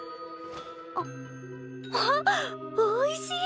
あっおいしい！